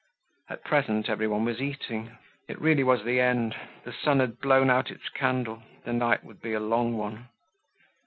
At present everyone was eating. It was really the end, the sun had blown out its candle, the night would be a long one.